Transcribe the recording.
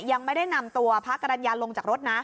ยังไม่ได้นำตัวพระกรรณญาลงจากรถนะ